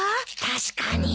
確かに。